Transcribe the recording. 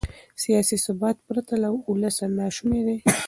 سیاسي ثبات پرته له ولسه ناشونی دی.